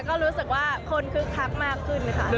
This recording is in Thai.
ก็รู้สึกว่าคนคึกคักมากขึ้นค่ะ